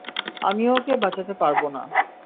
আমি ওকে বাঁচাতে পারবো না।